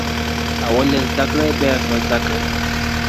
o اول ئې زده که، بيا ئې کوزده که!